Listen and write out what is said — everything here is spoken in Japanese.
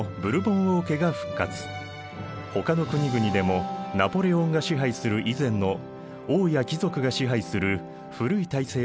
ほかの国々でもナポレオンが支配する以前の王や貴族が支配する古い体制に戻った。